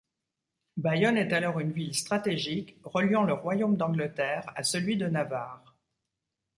Bayonne est alors une ville stratégique reliant le royaume d'Angleterre à celui de Navarre.